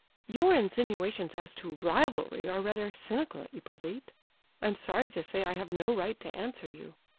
"Your insinuations as to rivalry are rather cynical, Hippolyte. I'm sorry to say I have no right to answer you!